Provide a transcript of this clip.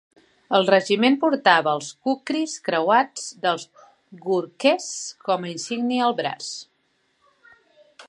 El regiment portava els kukris creuats dels gurkhes com a insígnia al braç.